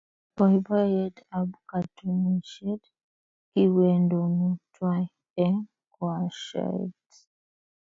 boiboiyet ab katunisiet kiwendonu twaii eng koashoet